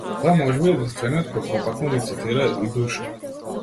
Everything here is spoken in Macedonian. Тој е можеби единствениот кој попатно лицитира и душа.